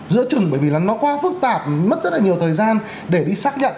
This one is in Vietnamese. giữa chừng bởi vì là nó quá phức tạp mất rất là nhiều thời gian để đi xác nhận